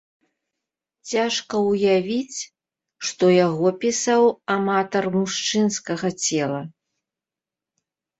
Цяжка ўявіць, што яго пісаў аматар мужчынскага цела.